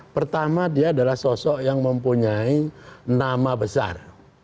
pertama dia adalah sosok yang mempunyai nama besar